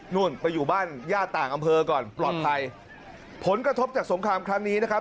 นู่นไปอยู่บ้านญาติต่างอำเภอก่อนปลอดภัยผลกระทบจากสงครามครั้งนี้นะครับ